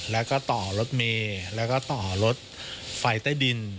แล้วก็ต่อรถเมย์แล้วก็ต่อรถไฟใต้ดิน